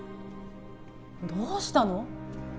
どうしたの？